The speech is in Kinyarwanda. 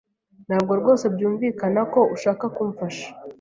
Ntabwo rwose byumvikana ko ushaka kumfasha.